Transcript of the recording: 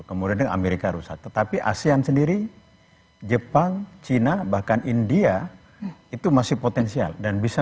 kemudian dengan amerika rusak tetapi asean sendiri jepang china bahkan india itu masih potensial dan bisa